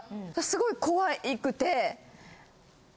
すごい怖いくて。